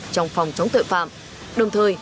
trong phòng chống tội phạm đồng thời